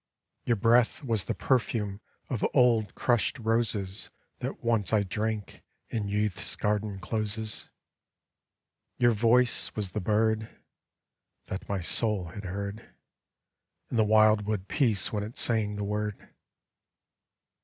Your breath was the perfume of old crushed roses That once I drank in Youth's garden closes; Your voice was the bird That my soul had heard In the wildwood peace when it sang the Word.